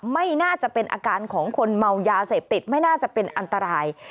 ไม่น่าจะเป็นอาการของคนเมายาเสพติดไม่น่าจะเป็นอันตราย